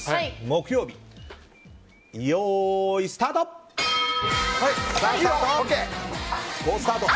木曜日、よーいスタート！